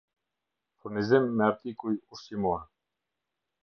furnizim me artikuj ushqimor